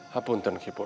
hapunten ki purwa